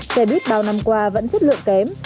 xe buýt bao năm qua vẫn chất lượng kém